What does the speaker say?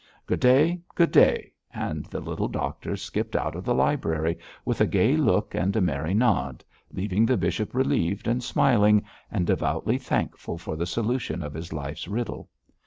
Good day, good day,' and the little doctor skipped out of the library with a gay look and a merry nod, leaving the bishop relieved and smiling, and devoutly thankful for the solution of his life's riddle.